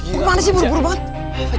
gimana sih buru buru banget